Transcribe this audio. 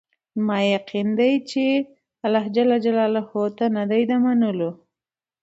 زما یقین دی خدای ته نه دی د منلو